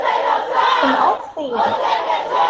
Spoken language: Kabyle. Tenɣa-t tayri.